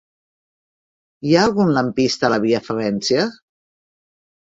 Hi ha algun lampista a la via Favència?